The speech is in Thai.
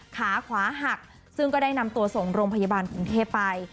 ขาขวาหักซึ่งก็ได้นำตัวส่งโรงพยาบาลกรุงเทพไป